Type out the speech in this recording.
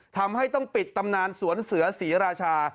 ทำให้ต้องปิดตำนานสวนเสือศรีราชา